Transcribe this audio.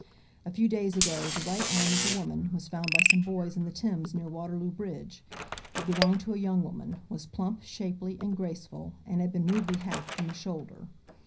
A few days ago the right arm of a woman was found by some boys in the Thames near Waterloo Bridge. It belonged to a young woman, was plump, shapely, and graceful, and had been rudely hacked from the shoulder.